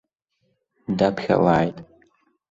Даԥхьалааит.